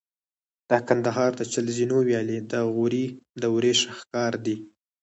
د کندهار د چل زینو ویالې د غوري دورې شاهکار دي